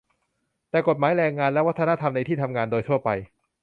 แต่กฎหมายแรงงานและวัฒนธรรมในที่ทำงานโดยทั่วไป